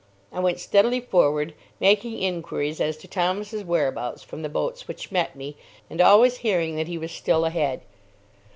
I went steadily forward, making inquiries as to Thomas's whereabouts from the boats which met me, and always hearing that he was still ahead.